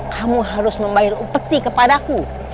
kamu harus membayar upeti kepadaku